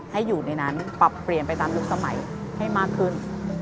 ให้อยู่ในนั้นปรับเปลี่ยนไปตามยุคสมัยให้มากขึ้น